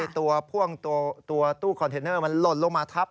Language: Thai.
ตัวพ่วงตัวตู้คอนเทนเนอร์มันหล่นลงมาทับ